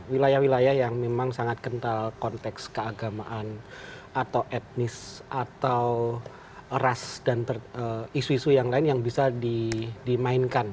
wilayah wilayah yang memang sangat kental konteks keagamaan atau etnis atau ras dan isu isu yang lain yang bisa dimainkan